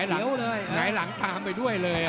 เลยหงายหลังตามไปด้วยเลย